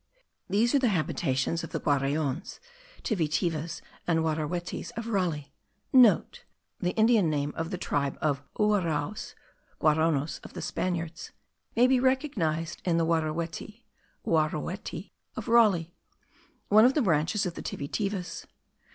These are the habitations of the Guaraons (Tivitivas and Waraweties of Raleigh* (* The Indian name of the tribe of Uaraus (Guaraunos of the Spaniards) may be recognized in the Warawety (Ouarauoty) of Raleigh, one of the branches of the Tivitivas.